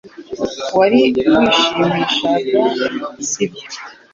Wari wishimishaga si byo